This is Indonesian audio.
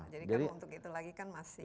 jadi kalau untuk itu lagi kan masih